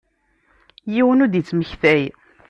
Yiwen ur d-ittmektay.